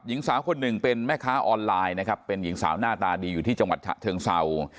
หญิงสาวคนหนึ่งเป็นแม่ค้าออนไลน์นะครับเป็นหญิงสาวหน้าตาดีอยู่ที่จังหวัดฉะเชิงเศร้า